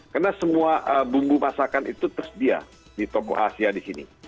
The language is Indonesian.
karena semua bumbu masakan itu tersedia di toko asia di sini